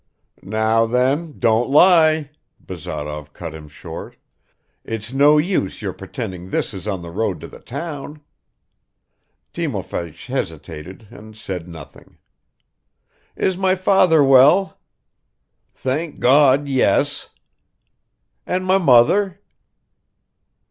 "Now then, don't lie!" Bazarov cut him short. "It's no use your pretending this is on the road to the town." Timofeich hesitated and said nothing. "Is my father well?" "Thank God, yes!" "And my mother?"